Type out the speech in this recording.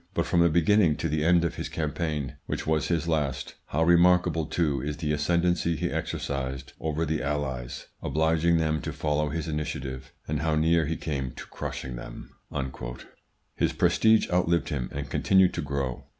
But from the beginning to the end of this campaign, which was his last, how remarkable too is the ascendency he exercised over the Allies, obliging them to follow his initiative, and how near he came to crushing them!" His prestige outlived him and continued to grow.